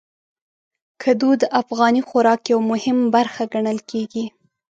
کدو د افغاني خوراک یو مهم برخه ګڼل کېږي.